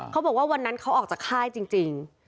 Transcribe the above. เขาบอกว่าวันนั้นเขาออกจากค่ายจริง